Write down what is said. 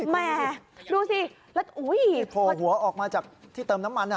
นั่นสิคุณดูสิแล้วอุ๊ยพี่โผล่หัวออกมาจากที่เติมน้ำมัน